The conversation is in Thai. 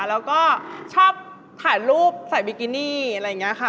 แล้วก็ชอบถ่ายรูปใส่บิกินี่อะไรอย่างนี้ค่ะ